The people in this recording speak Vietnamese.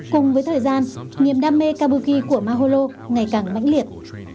cùng với thời gian niềm đam mê kabuki của mahalo ngày càng mạnh liệt